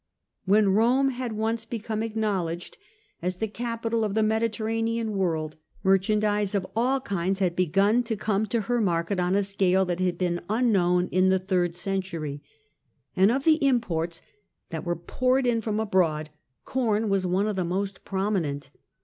When Rome had once become acknowledged as the capital of the Medi terranean world, merchandise of all kinds had begun to 20 TIBERIUS GRACCHUS come to her market on a scale that had been unknown in the third century. And of the imports that were poured in from abroad, corn was one of the most prominent.